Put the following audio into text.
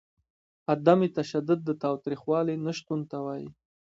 عدم تشدد د تاوتریخوالي نشتون ته وايي.